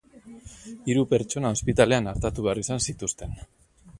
Hiru pertsona ospitalean artatu behar izan zituzten.